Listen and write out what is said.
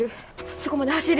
そこまで走り。